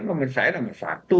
komitmen saya namanya satu